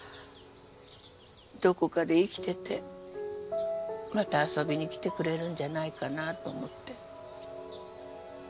どこかで生きててまた遊びにきてくれるんじゃないかなと思って。